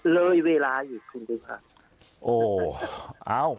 เลยเวลาอยู่คุณผู้ชมครับ